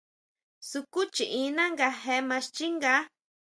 Sukúchiʼína nga je maa xchínga.